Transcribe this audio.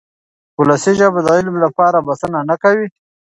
ولسي ژبه د علم لپاره بسنه نه کوي.